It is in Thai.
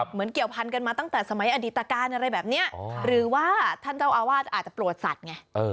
เกี่ยวพันกันมาตั้งแต่สมัยอดีตการณ์อะไรแบบนี้หรือว่าท่านเจ้าอาวาสอาจจะโปรดสัตว์ไง